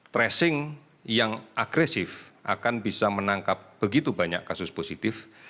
tracing yang agresif akan bisa menangkap begitu banyak kasus positif